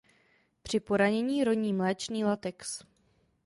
Při poranění roní mléčný latex.